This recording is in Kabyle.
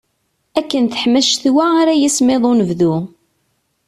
Akken teḥma ccetwa ara yismiḍ unebdu.